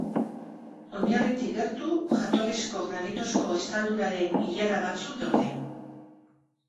Oinarritik gertu, jatorrizko granitozko estalduraren ilara batzuk daude.